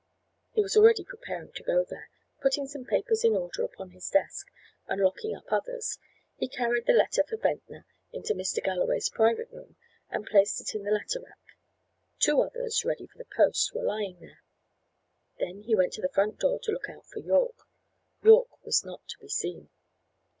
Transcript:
He was already preparing to go there. Putting some papers in order upon his desk, and locking up others, he carried the letter for Ventnor into Mr. Galloway's private room and placed it in the letter rack. Two others, ready for the post, were lying there. Then he went to the front door to look out for Yorke. Yorke was not to be seen.